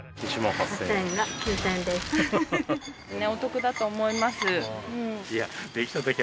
お得だと思います。